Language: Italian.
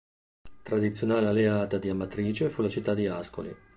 Tradizionale alleata di Amatrice fu la città di Ascoli.